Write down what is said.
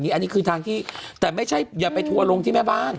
อันนี้คือทางที่แต่ไม่ใช่อย่าไปทัวร์ลงที่แม่บ้าน